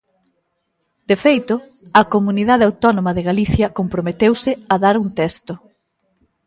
De feito, a Comunidade Autónoma de Galicia comprometeuse a dar un texto.